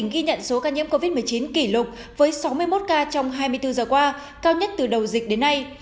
ghi nhận số ca nhiễm covid một mươi chín kỷ lục với sáu mươi một ca trong hai mươi bốn giờ qua cao nhất từ đầu dịch đến nay